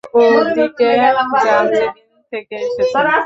ওদিকে যান যেদিক থেকে এসেছেন!